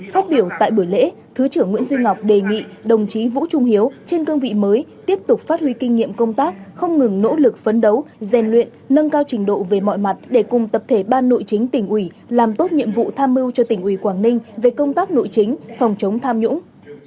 phát biểu tại buổi lễ thứ trưởng nguyễn duy ngọc đề nghị đồng chí vũ trung hiếu trên cương vị mới tiếp tục phát huy kinh nghiệm công tác không ngừng nỗ lực phấn đấu gian luyện nâng cao trình độ về mọi mặt để cùng tập thể ban nội chính tỉnh ủy làm tốt nhiệm vụ tham mưu cho tỉnh ủy quảng ninh về công tác nội chính phòng chống tham nhũng